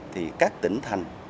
thì các tỉnh thành